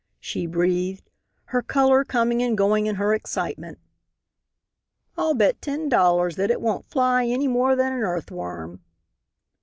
she breathed, her color coming and going in her excitement. "I'll bet ten dollars it won't fly any more than an earthworm."